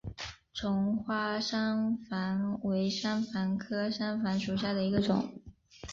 丛花山矾为山矾科山矾属下的一个种。